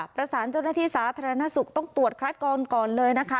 เจ้าหน้าที่สาธารณสุขต้องตรวจคัดกรองก่อนเลยนะคะ